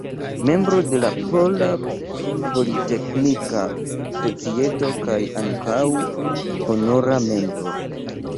Membro de la Pola Politeknika Societo kaj ankaŭ honora membro.